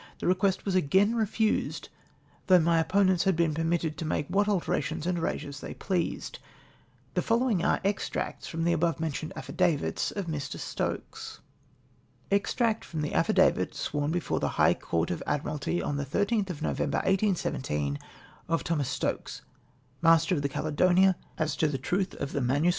The request was again refused, though my opponents had been permitted to make what alterations and erasures they pleased. The followinrf are extracts from tire above mentioned affidavits of Mr. Stokes :— ME STOKES'S AFFIDAVITS. 5 Extract from the affidavit, sworn before the liigh Court of Ad miralty on the 13th of November, 1817, of Thomas Stokes, master of the Caledonia, as to the truth of the MSS.